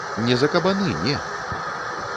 Не за кабаны, не.